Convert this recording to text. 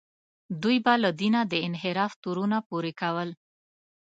دوی به له دینه د انحراف تورونه پورې کول.